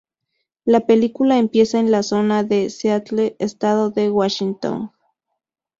La película empieza en la zona de Seattle, Estado de Washington.